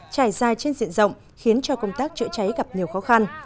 trải dài trên diện rộng khiến cho công tác chữa cháy gặp nhiều khó khăn